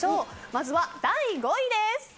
まずは第５位です。